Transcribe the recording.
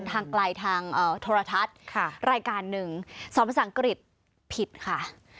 ทางไกลทางโทรทัศน์รายการหนึ่งสอนภาษาอังกฤษผิดค่ะ